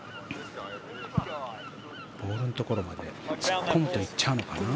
ボールのところまで突っ込むと行っちゃうのかな。